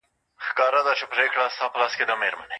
، دبيت المال او غيره نه هر يو مستحق ته خپل حق ورسيږي